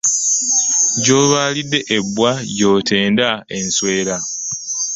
Gyolwalidde ebbwa gy'otenda enswera .